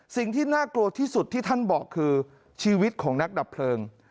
สิ่งที่น่ากลัวที่สุดที่ท่านบอกคือชีวิตของนักดับเพลิง